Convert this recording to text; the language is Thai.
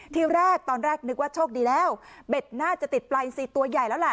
ที่แรกตอนแรกนึกว่าโชคดีแล้วเบ็ดน่าจะติดปลายซีตัวใหญ่แล้วแหละ